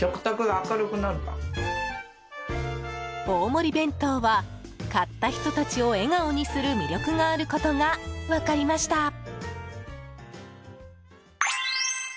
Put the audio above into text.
大盛り弁当は買った人たちを笑顔にする魅力があることが分かりました。